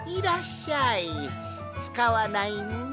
つかわないもの